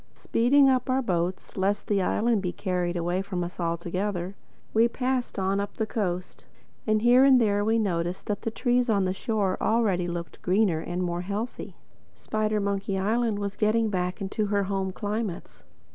Speeding up our boat lest the island be carried away from us altogether, we passed on up the coast; and here and there we noticed that the trees on the shore already looked greener and more healthy. Spidermonkey Island was getting back into her home climates.